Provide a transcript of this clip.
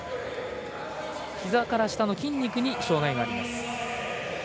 ひざから下の筋肉に障害があります。